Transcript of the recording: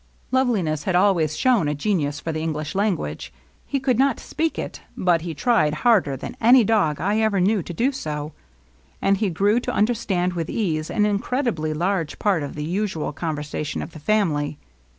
Loveliness had always shown a genius for the Eng^ lish language. He could not speak it, but he tried harder than any other dog I ever knew to do so; and he grew to understand with ease an incredibly large part of the usual conversation of the family.